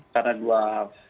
karena dua hal